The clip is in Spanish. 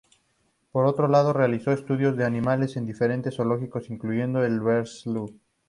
Por otro lado realizó estudios de animales en diferentes zoológicos, incluyendo el de Breslau.